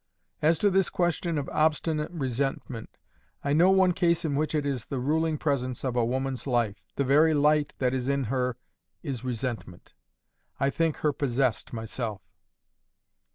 —As to this question of obstinate resentment, I know one case in which it is the ruling presence of a woman's life—the very light that is in her is resentment. I think her possessed myself.